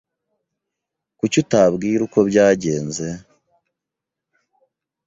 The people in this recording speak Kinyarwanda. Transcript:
Kuki utabwira uko byagenze?